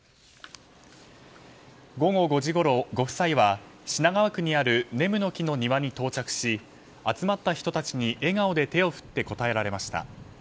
午後５時ごろ、ご夫妻は品川区にあるねむの木の庭に到着し集まった人たちに笑顔で手を振って応えられました。